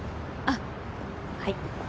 あっはい。